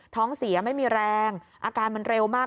ท้องเสียไม่มีแรงอาการมันเร็วมาก